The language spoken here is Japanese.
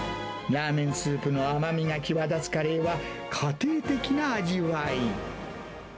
ラーメンスープの甘みが際立つカレーは、家庭的な味わい。